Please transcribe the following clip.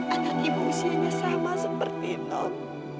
anak ibu usianya sama seperti not